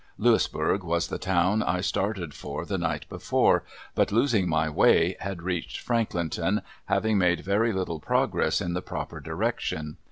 Louisburg was the town I started for the night before, but, losing my way, had reached Franklinton, having made very little progress in the proper direction.